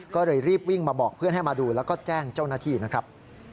ก็เลยรีบวิ่งมาบอกเพื่อนให้มาดูแล้วก็แจ้งเจ้าหน้าที่นะครับ